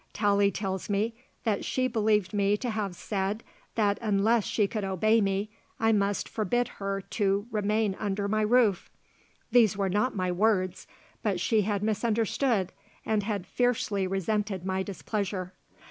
Tallie tells me that she believed me to have said that unless she could obey me I must forbid her to remain under my roof. These were not my words; but she had misunderstood and had fiercely resented my displeasure.